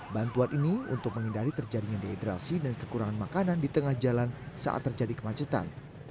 bantuan ini untuk menghindari terjadinya dehidrasi dan kekurangan makanan di tengah jalan saat terjadi kemacetan